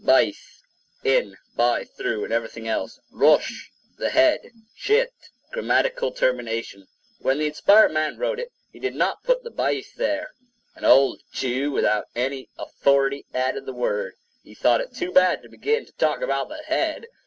Baith—in, by through, and everything else. Rosh—the head. Sheit—grammatical termination. When the inspired man wrote it, he did not put the baith there. An old Jew without any authority added the word; he thought it too bad to begin to talk about the head!